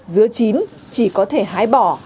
dứa chín chỉ có thể hái bỏ